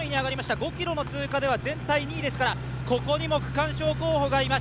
５ｋｍの通過では全体２位ですからここにも区間賞候補がいます。